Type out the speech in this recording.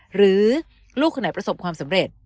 หรือลูกคนไหนประสบความสำเร็จ